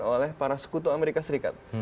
oleh para sekutu amerika serikat